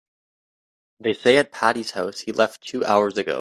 They say at Patti's house he left two hours ago.